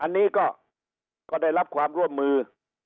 อันนี้ก็ได้รับความร่วมมือ